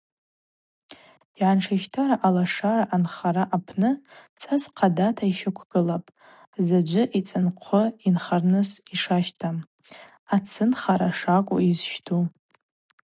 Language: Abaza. Йгӏаншищтара Алашара анхара апны цӏас хъадата йщаквгылапӏ: заджвы йцынхъвы йынхарныс йшащтам, ацынхара шакӏву йзщту.